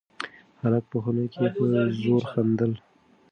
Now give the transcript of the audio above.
هلک په خونه کې په زوره خندل.